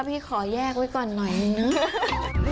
พี่ขอแยกไว้ก่อนหน่อยนึงเนอะ